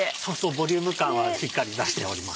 ボリューム感はしっかり出しております。